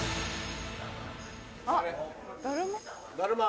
あっだるま？